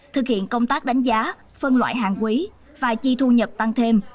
thực hiện công tác đánh giá phân loại hàng quý và chi thu nhập tăng thêm